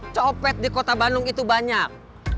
copet di kota bandung itu banyak